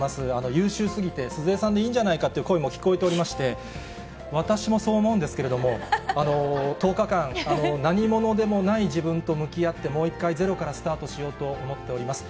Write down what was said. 優秀すぎて、鈴江さんでいいんじゃないかって声も聞こえておりまして、私もそう思うんですけれども、１０日間、何者でもない自分と向き合って、もう一回、ゼロからスタートしようと思っております。